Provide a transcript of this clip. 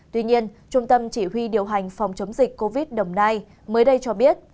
tuy nhiên trung tâm chỉ huy điều hành phòng chống dịch covid một mươi chín đồng nai mới đây cho biết